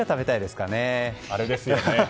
あれですよね。